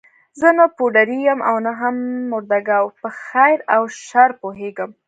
زه نه پوډري یم او نه هم مرده ګو، په خیر او شر پوهېږم.